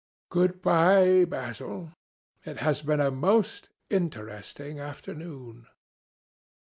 Good bye, Basil. It has been a most interesting afternoon."